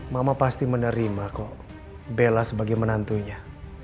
mama pasti menerima kok bela sebagai menantunya